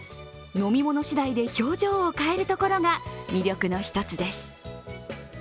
飲み物しだいで表情を変えるところが魅力の一つです。